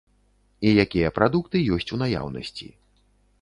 І якія прадукты ёсць у наяўнасці.